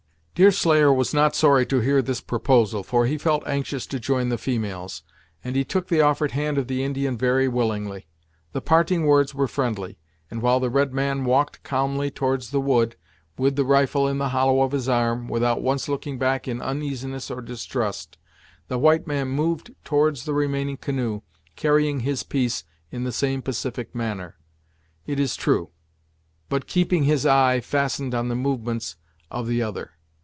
Deerslayer was not sorry to hear this proposal, for he felt anxious to join the females, and he took the offered hand of the Indian very willingly. The parting words were friendly, and while the red man walked calmly towards the wood, with the rifle in the hollow of his arm, without once looking back in uneasiness or distrust, the white man moved towards the remaining canoe, carrying his piece in the same pacific manner, it is true, but keeping his eye fastened on the movements of the other.